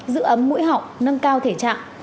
giữ ấm mũi họng nâng cao thể trạng